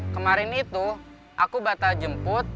kemarin itu aku batal jemput